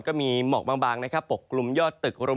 ก็มีหมอกบางนะครับปกกลุ่มยอดตึก